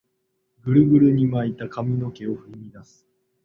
グルグルに巻いた髪の毛を振り乱す